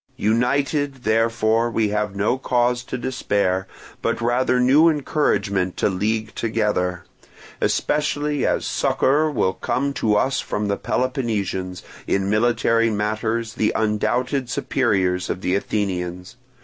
"United, therefore, we have no cause to despair, but rather new encouragement to league together; especially as succour will come to us from the Peloponnesians, in military matters the undoubted superiors of the Athenians.